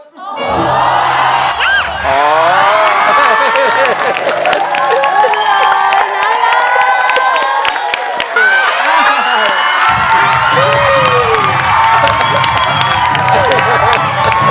น่ารัก